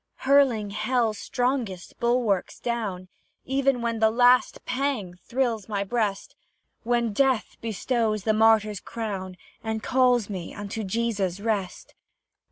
Hurling hell's strongest bulwarks down, Even when the last pang thrills my breast, When death bestows the martyr's crown, And calls me into Jesus' rest.